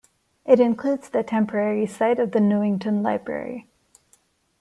It includes the temporary site of the Newington Library.